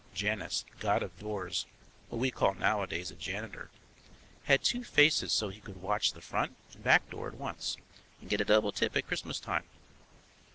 Janus, god of doors, what we call nowadays a janitor. Had two faces so he could watch the front and back door at once and get a double tip at Christmas time.